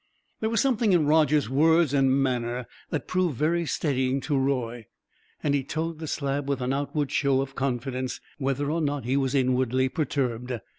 There was something in Roger's words and manner that proved very steadying to Roy, and he toed the slab with an outward show of confidence, whether or not he was inwardly perturbed.